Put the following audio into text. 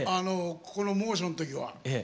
ここの猛暑のときは。